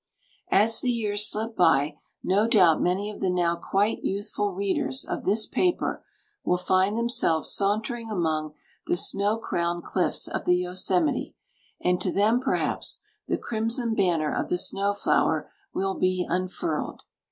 As the years slip by, no doubt many of the now quite youthful readers of this paper will find themselves sauntering among the snow crowned cliffs of the Yosemite, and to them, perhaps, the crimson banner of the snow flower will be unfurled.